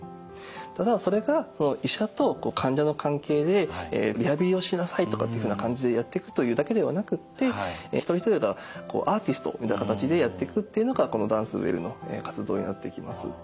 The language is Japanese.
ただそれが医者と患者の関係で「リハビリをしなさい」とかっていうふうな感じでやっていくというだけではなくって一人一人がアーティストみたいな形でやっていくっていうのがこのＤａｎｃｅＷｅｌｌの活動になってきます。